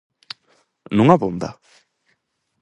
Non abonda?